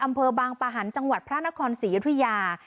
อำเภอบางประหันฯจังหวัดพระนครศรียธรรมราช